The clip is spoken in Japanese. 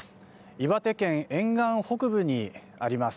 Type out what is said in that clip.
岩手県沿岸北部にあります